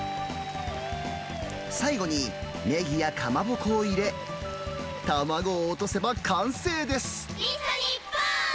最後にネギやかまぼこを入れ、卵を落とせば完成です。